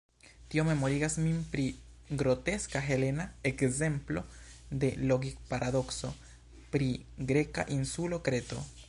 Tio memorigas min pri groteska helena ekzemplo de logik-paradokso pri greka insulo Kreto.